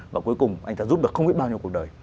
và cuối cùng anh đã giúp được không biết bao nhiêu cuộc đời